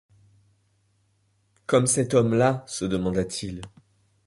comme cet homme-là se demanda-t-il.